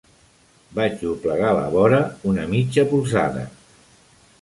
Vaig doblegar la vora una mitja polzada.